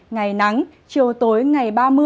ngày nắng chiều tối ngày ba mươi